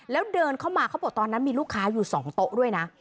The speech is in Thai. แล้วเดินเข้ามาเขาบอกตอนนั้นมีลูกค้าอยู่๒โต๊ะด้วยนะ